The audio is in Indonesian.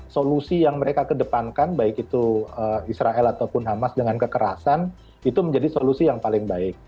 solusi yang mereka kedepankan baik itu israel ataupun hamas dengan kekerasan itu menjadi solusi yang paling baik